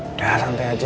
udah santai aja